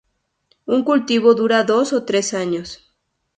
Un cultivo dura dos o tres años.